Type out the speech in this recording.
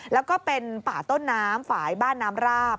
แล้วก็เป็นป่าต้นน้ำฝ่ายบ้านน้ำราบ